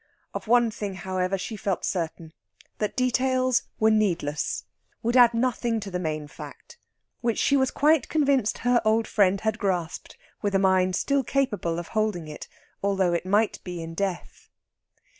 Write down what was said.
Of one thing, however, she felt certain that details were needless, would add nothing to the main fact, which she was quite convinced her old friend had grasped with a mind still capable of holding it, although it might be in death.